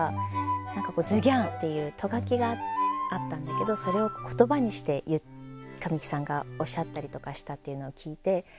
何か「！」っていうト書きがあったんだけどそれを言葉にして神木さんがおっしゃったりとかしたっていうのを聞いて。